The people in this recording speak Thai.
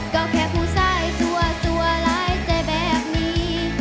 ก็แค่ผู้สายตัวร้ายใจแบบนี้